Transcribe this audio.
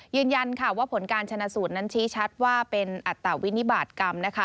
ยืนยันค่ะว่าผลการชนะสูตรนั้นชี้ชัดว่าเป็นอัตวินิบาตกรรมนะคะ